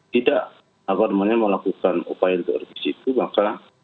tidak agar agarnya melakukan upaya untuk revisi itu maka